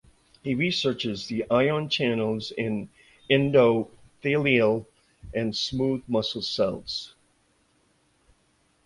He researches the ion channels in endothelial and smooth muscle cells.